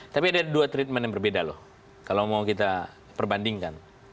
tapi ada dua treatment yang berbeda loh kalau mau kita perbandingkan